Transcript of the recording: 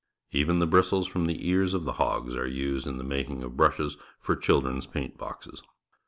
Even the bristles from the ears of the hogs are used in the making of brushes for children's paint boxes.